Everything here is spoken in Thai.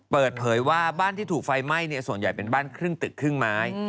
เปิดเผยว่าบ้านที่ถูกไฟไหม้ส่วนใหญ่เป็นบ้านครึ่งตึกครึ่งไม้